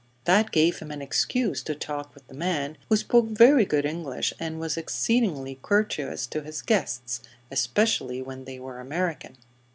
That gave him an excuse to talk with the man, who spoke very good English and was exceedingly courteous to his guests especially when they were American.